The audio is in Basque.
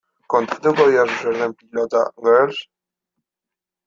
Kontatuko didazu zer den Pilota Girls?